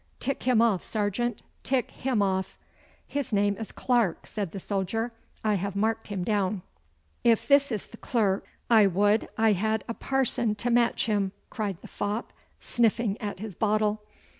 Tick him off, sergeant, tick him off!' 'His name is Clarke,' said the soldier. 'I have marked him down.' 'If this is the clerk I would I had a parson to match him,' cried the fop, sniffing at his bottle.